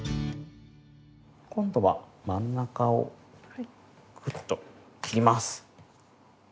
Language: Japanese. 今度は真ん中をグッと切ります。